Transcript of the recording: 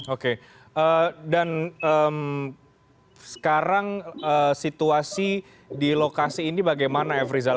oke dan sekarang situasi di lokasi ini bagaimana f rizal